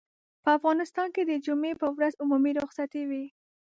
په افغانستان کې د جمعې پر ورځ عمومي رخصت وي.